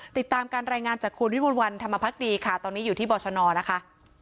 ติดตามการรายงานจากคุณวิมวลวันธรรมพักดีค่ะตอนนี้อยู่ที่บรชนนะคะ